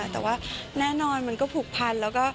แต่ว่าแน่นอนมันก็ผูกพันแล้วก็